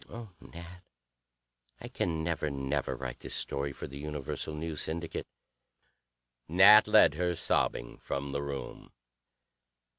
Oh, Nat, I can never, never write this story for the Universal News Syndicate." Nat led her, sobbing, from the room.